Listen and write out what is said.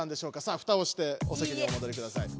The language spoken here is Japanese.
さあふたをしておせきにおもどりください。